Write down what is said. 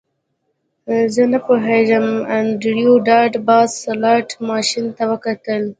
زه نه پوهیږم انډریو ډاټ باس سلاټ ماشین ته وکتل